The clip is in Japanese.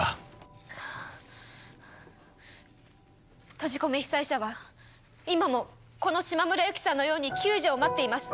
閉じ込め被災者は今もこの島村由希さんのように救助を待っています。